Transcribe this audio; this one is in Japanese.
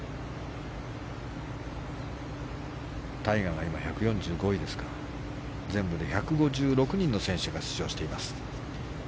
タイガーが今１４５位ですから全部で１５６人の選手が出場しています。